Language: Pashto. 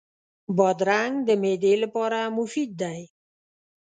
بادرنګ د معدې لپاره مفید دی.